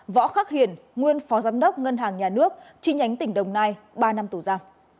võ khắc hiền nguyên phó giám đốc ngân hàng nhà nước chi nhánh tỉnh đồng nai ba năm tù ra